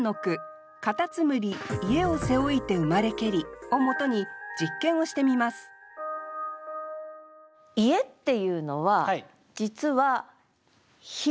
「蝸牛家を背負ひて生まれけり」をもとに実験をしてみます「家」っていうのは実は比喩の表現ですね。